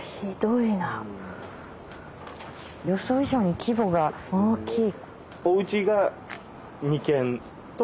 予想以上に規模が大きい。